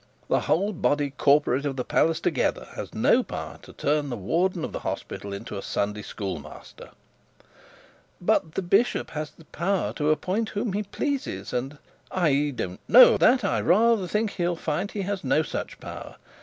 The whole body corporate of the palace together have no power to turn the warden of the hospital into a Sunday schoolmaster.' 'But the bishop has the power to appoint whom he pleases, and ' 'I don't know that; I rather think he'll find he has no such power.